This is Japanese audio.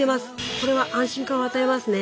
これは安心感を与えますね。